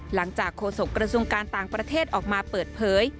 โฆษกระทรวงการต่างประเทศออกมาเปิดเผย